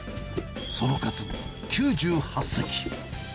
その数、９８席。